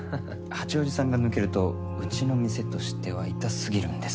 八王子さんが抜けるとうちの店としては痛すぎるんですよ。